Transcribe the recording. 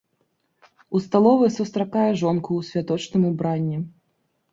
У сталовай сустракае жонку ў святочным убранні.